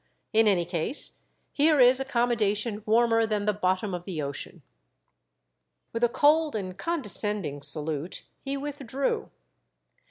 111 any case, here Is accommo dation warmer than the bottom of the ocean. With a cold and condescending salute he withdrew.